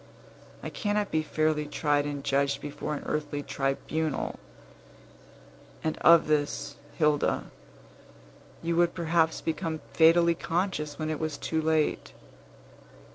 I cannot be fairly tried and judged before an earthly tribunal; and of this, Hilda, you would perhaps become fatally conscious when it was too late.